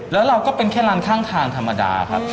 แล้วเราก็เป็นแค่ร้านข้างทางธรรมดาครับ